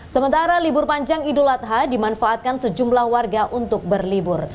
sementara libur panjang idul adha dimanfaatkan sejumlah warga untuk berlibur